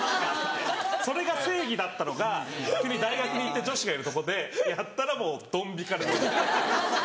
それが正義だったのが急に大学に行って女子がいるとこでやったらもうドン引かれる。